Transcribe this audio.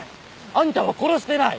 あんたは殺してない！